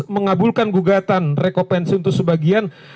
mengabulkan gugatan rekopensi untuk sebagian